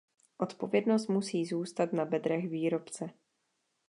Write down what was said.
Odpovědnost musí zůstat na bedrech výrobce.